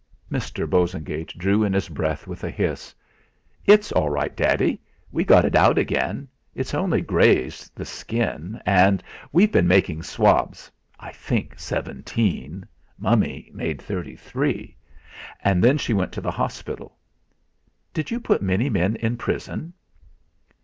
Mr. Bosengate drew in his breath with a hiss. "It's all right, Daddy; we got it out again, it's only grazed the skin. And we've been making swabs I made seventeen, Mummy made thirty three, and then she went to the hospital. Did you put many men in prison?"